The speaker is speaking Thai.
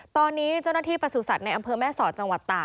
ตอนนี้เจ้าหน้าที่ประสุทธิ์ในอำเภอแม่สอดจังหวัดตาก